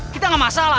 kita ga masalah